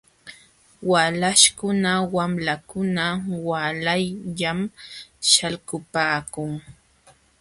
Walaśhkuna wamlakuna waalayllam śhalkupaakun .